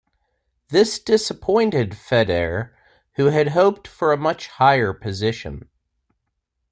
This disappointed Feder, who had hoped for a much higher position.